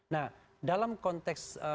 nah dalam konteks